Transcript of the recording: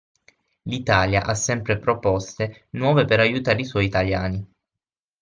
L'Italia ha sempre proposte nuove per aiutare i suoi italiani.